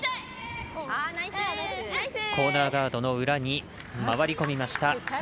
コーナーガードの裏に回り込みました。